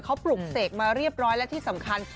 เขาปลุกเสกมาเรียบร้อยและที่สำคัญ